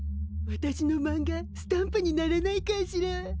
わたしのマンガスタンプにならないかしら。